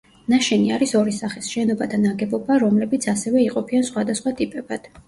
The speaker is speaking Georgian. ნაშენი არის ორი სახის: შენობა და ნაგებობა, რომლებიც ასევე იყოფიან სხვადასხვა ტიპებად.